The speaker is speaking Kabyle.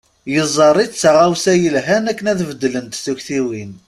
Yeẓẓar-itt d taɣawsa yelhan akken ad beddlent tiktiwin.